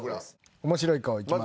面白い顔いきます。